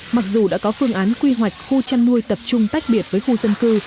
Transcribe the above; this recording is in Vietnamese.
mặc dù đã có phương án quy hoạch khu chăn nuôi tập trung tách biệt với khu dân cư